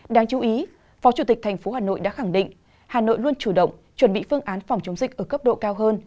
đáng chú ý phó chủ tịch thành phố hà nội đã khẳng định hà nội luôn chủ động chuẩn bị phương án phòng chống dịch ở cấp độ cao hơn